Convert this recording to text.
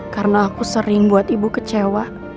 karena aku sering buat ibu kecewa